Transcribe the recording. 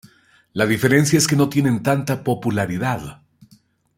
La diferencia es que no tienen tanta popularidad.